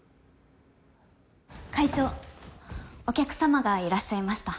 会長お客様がいらっしゃいました。